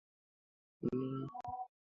একটু বিষও মিশিয়ে দিস ওটাতে।